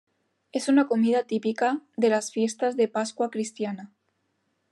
Es una comida típica de las fiestas de Pascua cristiana.